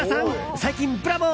最近、ブラボー！